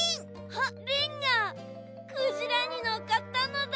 あっリンがクジラにのっかったのだ。